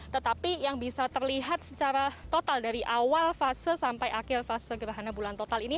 tetapi yang bisa terlihat secara total dari awal fase sampai akhir fase gerhana bulan total ini